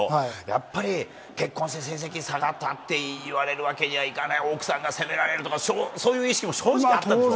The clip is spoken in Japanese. やっぱり結婚して成績下がったって言われるわけにはいかない、奥さんが責められるとか、そういう意識も正直あったでしょう。